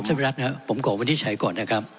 วิรัตินะครับผมขอวินิจฉัยก่อนนะครับ